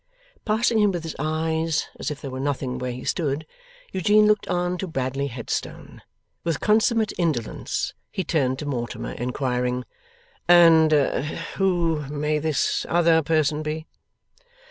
Passing him with his eyes as if there were nothing where he stood, Eugene looked on to Bradley Headstone. With consummate indolence, he turned to Mortimer, inquiring: 'And who may this other person be?